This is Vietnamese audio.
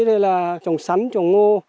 tôi là trồng sắn trồng ngô